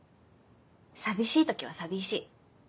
寂しい時は寂しい。